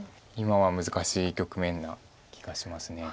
今は難しい局面な気がします。